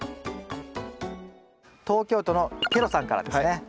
東京都のｋｅｒｏさんからですね。